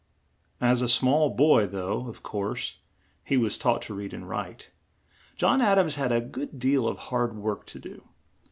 As a small boy, though, of course, he was taught to read and write, John Ad ams had a good deal of hard work to do.